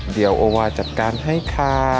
เดี๋ยวโอวาจัดการให้ค่ะ